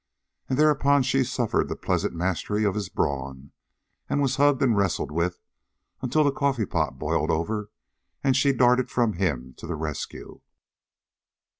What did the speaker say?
And thereupon she suffered the pleasant mastery of his brawn, and was hugged and wrestled with until the coffee pot boiled over and she darted from him to the rescue.